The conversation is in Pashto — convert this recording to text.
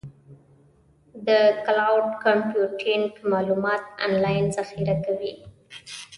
د کلاؤډ کمپیوټینګ معلومات آنلاین ذخیره کوي.